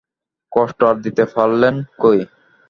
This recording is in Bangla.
কষ্ট আর দিতে পারলেন কই?